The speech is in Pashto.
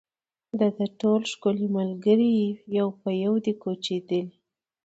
د ده ټول ښکلي ملګري یو په یو دي کوچېدلي